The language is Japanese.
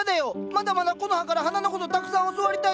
まだまだコノハから花のことたくさん教わりたいよ！